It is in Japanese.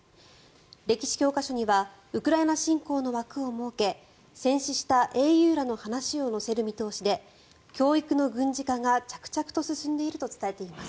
歴史教科書にはウクライナ侵攻の枠を設け戦死した英雄らの話を載せる見通しで教育の軍事化が着々と進んでいると伝えています。